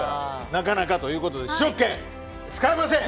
なかなかということで試食券、使いません。